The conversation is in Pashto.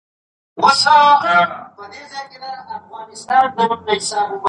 علمي بحثونه جوړ کړئ.